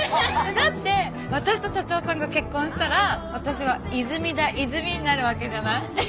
だって私と社長さんが結婚したら私は「泉田いずみ」になるわけじゃない？